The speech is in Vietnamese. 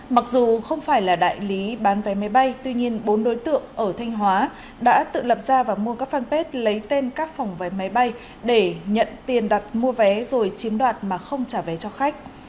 mặc dù không phải là đại lý bán vé máy bay tuy nhiên bốn đối tượng ở thanh hóa đã tự lập ra và mua các fanpage lấy tên các phòng vé máy bay để nhận tiền đặt mua vé rồi chiếm đoạt mà không trả vé cho khách